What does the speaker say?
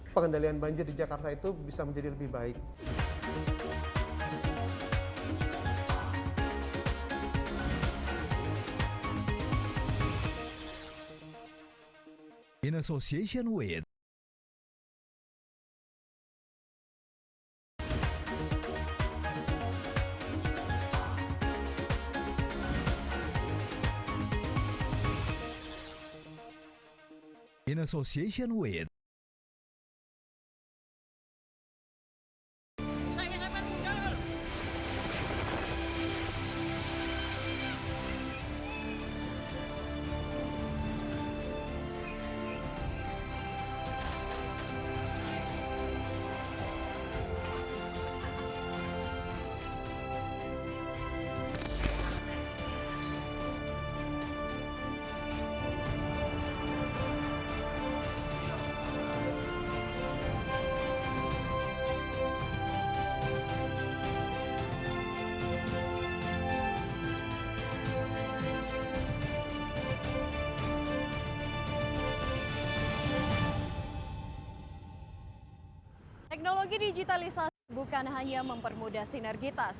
pengendalian banjir itu akan menjadi sistem yang berbasis tik